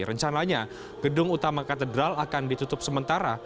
rencananya gedung utama katedral akan ditutup sementara